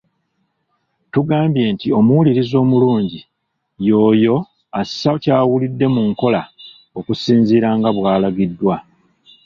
Tugambyenti omuwuliriza omulungi y’oyo assa ky’awulidde mu nkola okusinziira nga bw’alagiddwa.